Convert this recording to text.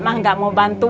harganya apa itu